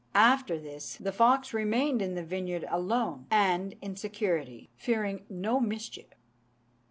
After this the fox remained in the vineyard alone, and in security, fearing no mischief.